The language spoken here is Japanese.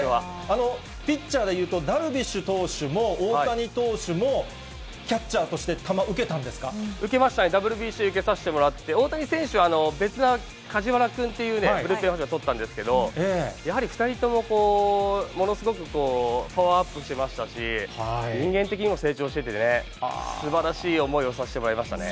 ピッチャーでいうと、ダルビッシュ投手も大谷投手も、キャッチャーとして球、受けたん受けましたね、ＷＢＣ受けさせてもらって、大谷選手、別のかじわら君っていうね、ブルペン捕手がとったんですけれども、やはり２人とも、ものすごく、パワーアップしてましたし、人間的にも成長しててね、すばらしい思いをさせてもらいましたね。